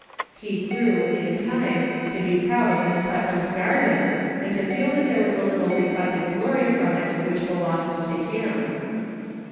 He grew, in time, to be proud of Miss Putnam's garden, and to feel that there was a little reflected glory from it which belonged to him.